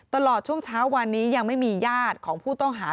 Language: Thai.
ตลอดช่วงเช้าวันนี้ยังไม่มีญาติของผู้ต้องหา